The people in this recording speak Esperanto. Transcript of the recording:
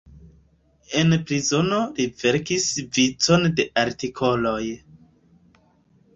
En prizono li verkis vicon de artikoloj.